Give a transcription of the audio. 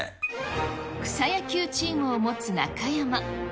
草野球チームを持つ中山。